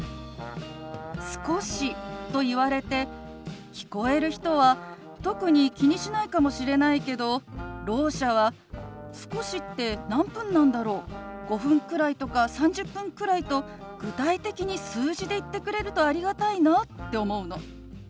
「少し」と言われて聞こえる人は特に気にしないかもしれないけどろう者は「少しって何分なんだろう？『５分くらい』とか『３０分くらい』と具体的に数字で言ってくれるとありがたいな」って思うの。